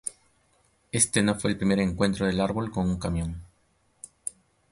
Éste no fue el primer encuentro del árbol con un camión.